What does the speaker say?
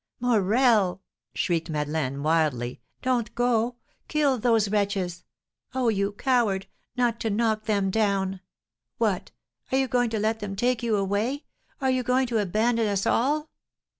"Morel!" shrieked Madeleine, wildly, "don't go! Kill those wretches! Oh, you coward, not to knock them down! What! are you going to let them take you away? Are you going to abandon us all?"